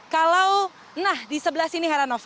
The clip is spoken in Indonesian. kalau nah di sebelah sini heranov